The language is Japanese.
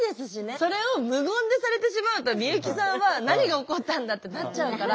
それを無言でされてしまうと美由紀さんは何が起こったんだってなっちゃうから。